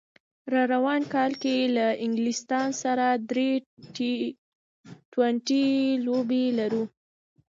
راروان کال کې له انګلستان سره درې ټي ټوینټي لوبې لرو